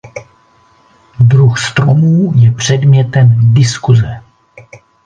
Druh stromů je předmětem diskuse.